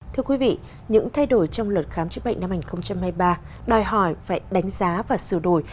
thưa quý vị những thay đổi trong luật khám chữa bệnh năm hai nghìn hai mươi ba đòi hỏi phải đánh giá và sửa đổi